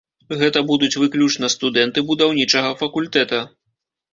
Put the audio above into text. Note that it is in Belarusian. Гэта будуць выключна студэнты будаўнічага факультэта.